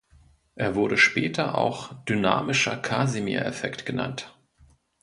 Er wurde später auch dynamischer Casimir-Effekt genannt.